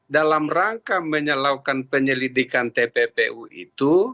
dalam rangka melakukan penyelidikan tppu itu